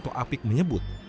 atau apik menyebut